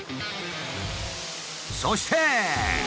そして。